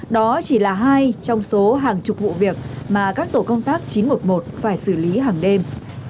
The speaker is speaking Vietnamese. đó chỉ là hai trong số hàng chục vụ việc mà các tổ công tác chín trăm một mươi một phải xử lý hàng đêm